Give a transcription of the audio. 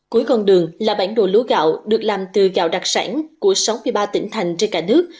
cuối con đường là bản đồ lúa gạo được làm từ gạo đặc sản của sáu mươi ba tỉnh thành trên cả nước